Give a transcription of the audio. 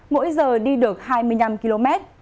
mỗi giờ đi được hai mươi năm km